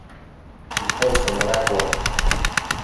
He plays for Managua.